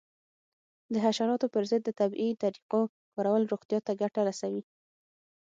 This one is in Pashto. د حشراتو پر ضد د طبیعي طریقو کارول روغتیا ته ګټه رسوي.